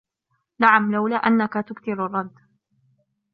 نَعَمْ لَوْلَا أَنَّك تُكْثِرُ الرَّدَّ